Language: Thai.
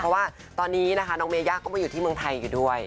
เพราะว่าตอนนี้นะคะน้องเมย่าก็มาอยู่ที่เมืองไทยอยู่ด้วย